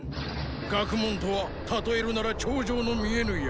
学問とは例えるなら頂上の見えぬ山。